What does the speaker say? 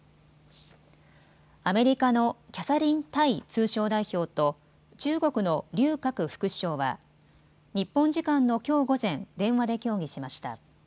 アメリカのキャサリン・タイ通商代表と中国の劉鶴副首相は日本時間のきょう午前、電話で協議しました。